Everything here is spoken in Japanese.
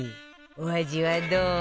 お味はどう？